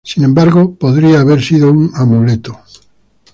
Sin embargo, podría haber sido un amuleto.